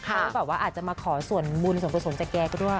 คือบอกว่าอาจจะมาขอส่วนบุญส่วนประสงค์จะแก้ก็ด้วย